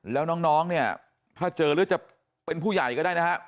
แล้วน้องเนี่ยถ้าเจอหรือจะเป็นผู้ใหญ่ก็ได้นะฮะ